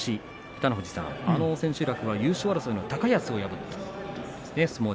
北の富士さん、千秋楽は優勝争いの高安を破ったんですね。